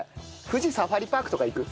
富士サファリパークとか行く？